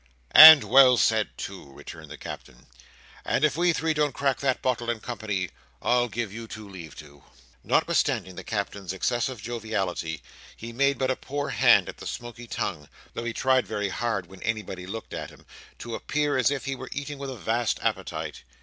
"And well said too," returned the Captain; "and if we three don't crack that bottle in company, I'll give you two leave to." Notwithstanding the Captain's excessive joviality, he made but a poor hand at the smoky tongue, though he tried very hard, when anybody looked at him, to appear as if he were eating with a vast appetite.